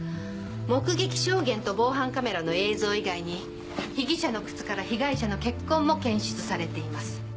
目撃証言と防犯カメラの映像以外に被疑者の靴から被害者の血痕も検出されています。